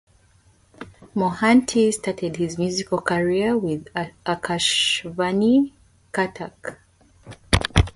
Mohanty started his musical career with Akashvani Cuttack.